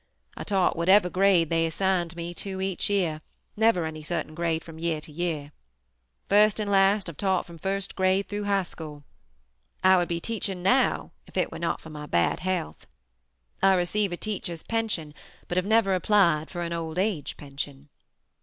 I taught whatever grade they assigned me to each year, never any certain grade from year to year. First and last, I've taught from first grade through high school. I would be teaching now if it were not for my bad health. I receive a teacher's pension, but have never applied for an old age pension.